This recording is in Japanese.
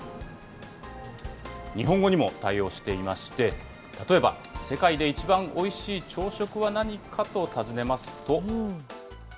日本語にも対応していまして、例えば、世界で一番おいしい朝食は何かと尋ねますと。